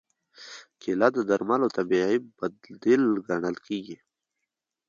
کېله د درملو طبیعي بدیل ګڼل کېږي.